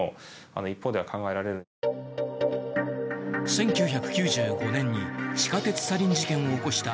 １９９５年に地下鉄サリン事件を起こした